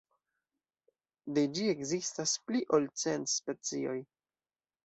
De ĝi ekzistas pli ol cent specioj.